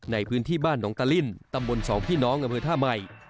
ในพื้นที่บ้านหนองตะลิ่นตำบลสองพี่น้องอำเภอท่าใหม่